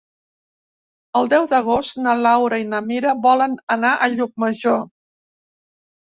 El deu d'agost na Laura i na Mira volen anar a Llucmajor.